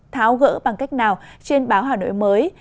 tháo gỡ bằng cách nào trên báo hà nội mới